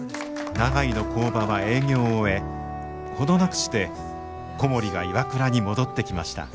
長井の工場は営業を終え程なくして小森がＩＷＡＫＵＲＡに戻ってきました。